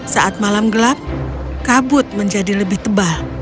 saat malam gelap kabut menjadi lebih tebal